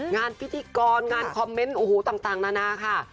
งานพิธีกรงานคอมเมนต์โอ้โหต่างนานาค่ะ